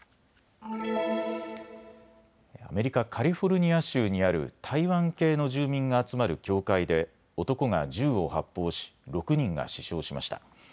アメリカ・カリフォルニア州にある台湾系の住民が集まる教会で男が銃を発砲し６人が死傷しました。